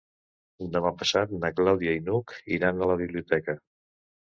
Demà passat na Clàudia i n'Hug iran a la biblioteca.